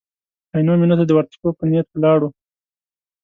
عینو مېنې ته د ورتلو په نیت ولاړو.